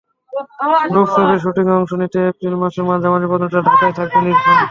ডুব ছবির শুটিংয়ে অংশ নিতে এপ্রিল মাসের মাঝামাঝি পর্যন্ত ঢাকায় থাকবেন ইরফান।